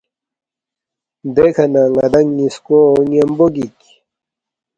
دیکھہ نہ ن٘دانگ نِ٘یسکو ن٘یمبو گِک